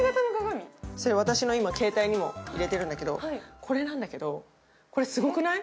私の携帯にも今、入れてるんだけどこれすごくない？